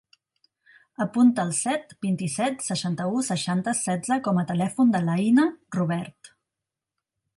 Apunta el set, vint-i-set, seixanta-u, seixanta, setze com a telèfon de l'Aïna Robert.